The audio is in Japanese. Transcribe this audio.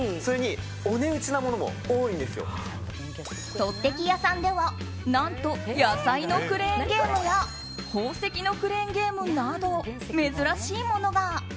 とってき屋さんでは何と野菜のクレーンゲームや宝石のクレーンゲームなど珍しいものが。